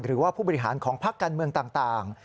หรือว่าผู้บริหารของพักการเมืองต่าง